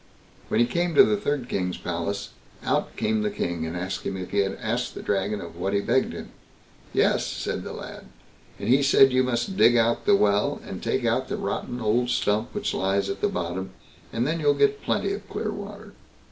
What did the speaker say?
When he came to the third King's palace, out came the King and asked if he had asked the Dragon of what he begged him? "Yes", said the lad, "and he said you must dig out the well, and take out the rotten old stump which lies at the bottom, and then you'll get plenty of clear water."